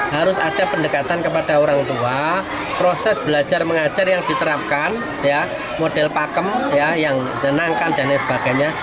harus ada pendekatan kepada orang tua proses belajar mengajar yang diterapkan model pakem yang senangkan dan lain sebagainya